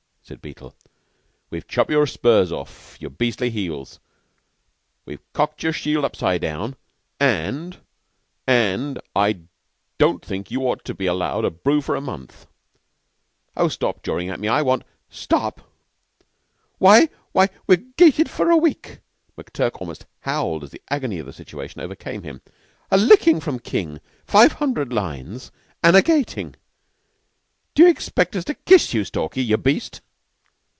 said Beetle. "We've chopped your spurs off your beastly heels. We've cocked your shield upside down and and I don't think you ought to be allowed to brew for a month." "Oh, stop jawin' at me. I want " "Stop? Why why, we're gated for a week." McTurk almost howled as the agony of the situation overcame him. "A lickin' from King, five hundred lines, and a gatin'. D'you expect us to kiss you, Stalky, you beast?"